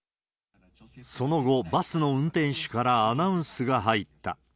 その後、バスの運転手からアナウンスが入った。